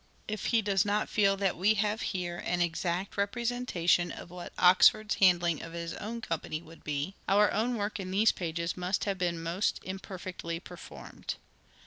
If he does not feel that we have here an exact representation of what Oxford's handling of his own company would be, our own work in these pages must have been most imperfectly performed.